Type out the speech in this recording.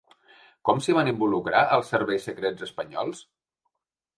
Com s’hi van involucrar els serveis secrets espanyols?